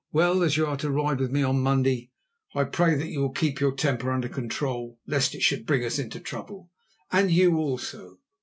Well, as you are to ride with me on Monday, I pray that you will keep your temper under control, lest it should bring us into trouble, and you also.